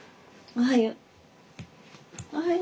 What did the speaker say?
おはよう。